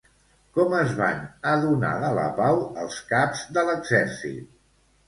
Com es van adonar de la pau els caps de l'exèrcit?